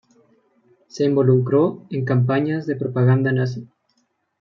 Se involucró en campañas de propaganda nazi.